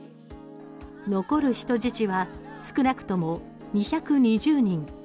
残る人質は少なくとも２２０人。